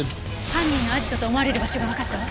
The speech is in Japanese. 犯人のアジトと思われる場所がわかったわ。